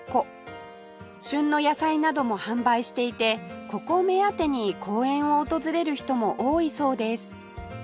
旬の野菜なども販売していてここ目当てに公園を訪れる人も多いそうです